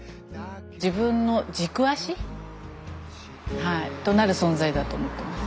自分の軸足となる存在だと思ってます。